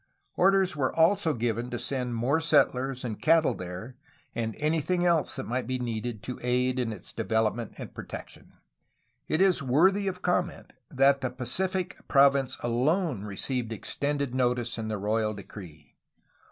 Orders were also given to send more settlers and cattle there and anything else that might be needed to aid in its development and protection. It is worthy of comment that the Pacific province alone received extended notice in the royal decree.